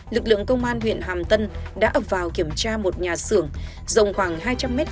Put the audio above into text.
lực lượng công an huyện hàm tân đã ập vào kiểm tra một nhà xưởng rộng khoảng hai trăm linh m hai